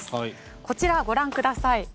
こちらご覧ください。